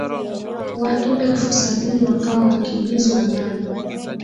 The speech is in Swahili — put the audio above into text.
watu elfu sabini wakawa wakimbizi wa ndani